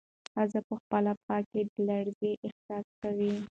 ښځه په خپله پښه کې د لړزې احساس کوي.